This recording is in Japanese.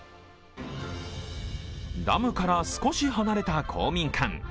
ダムから少し離れた公民館。